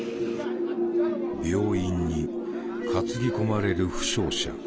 病院に担ぎ込まれる負傷者。